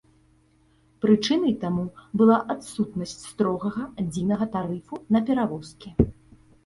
Прычынай таму была адсутнасць строгага адзінага тарыфу на перавозкі.